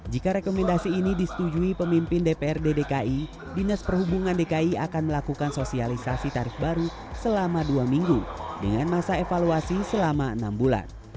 jika rekomendasi ini disetujui pemimpin dprd dki dinas perhubungan dki akan melakukan sosialisasi tarif baru selama dua minggu dengan masa evaluasi selama enam bulan